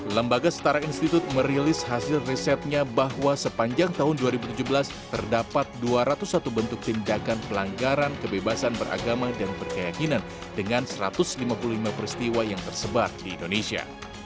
lembaga setara institut merilis hasil risetnya bahwa sepanjang tahun dua ribu tujuh belas terdapat dua ratus satu bentuk tindakan pelanggaran kebebasan beragama dan berkeyakinan dengan satu ratus lima puluh lima peristiwa yang tersebar di indonesia